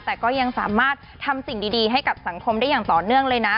แต่ก็ยังสามารถทำสิ่งดีให้กับสังคมได้อย่างต่อเนื่องเลยนะ